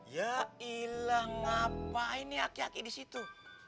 ya ilah ngapain nih aki aki di situ